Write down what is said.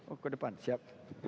oh ke depan siap